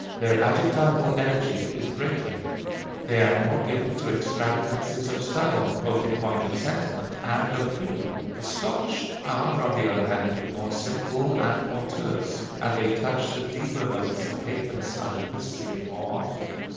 Their adjectival energy is greater; they are more given to extravagances of style, both in point of sentiment and of humor. The Scotch are on the other hand more simple and more terse, and they touch the deeper notes of pathos and of mystery more often.